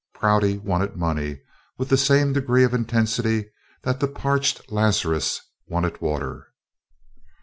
Prouty wanted money with the same degree of intensity that the parched Lazarus wanted water.